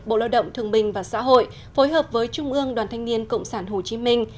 bộ lao động thương minh và xã hội phối hợp với trung ương đoàn thanh niên cộng sản hồ chí minh